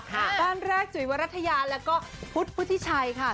บ้านแรกจุ๋ยวรัฐยาแล้วก็พุทธพุทธิชัยค่ะ